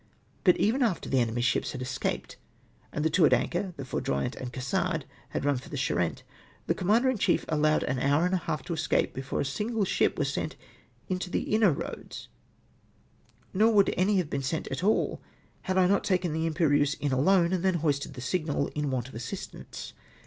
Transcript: But even after the enemy's ships had escaped, and the two at anchor, tlie Foudroyant and Cassard had. run for the Charente, the Commander in chief allowed an hour and a half to escape before a single ship was sent into the inner roads, nor would any have been sent at all had not I taken the Iniperieuse in alone, and then hoisted the sicrnal " in want of assistance."